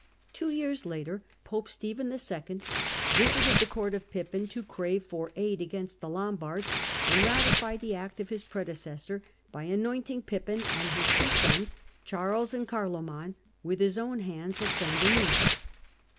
Two years later pope Stephen 11. visited the court of Pippin to crave for aid against the Lombards, and ratified the act of his predecessor by anointing Pippin and his two SODS Charles and Carloman with his own hands at St. Denys.